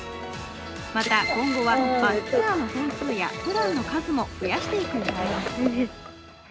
また今後はバスツアーの本数や、プランの数も増やしていく予定だそうです。